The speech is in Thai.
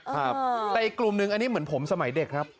ครับแต่อีกกลุ่มหนึ่งอันนี้เหมือนผมสมัยเด็กครับ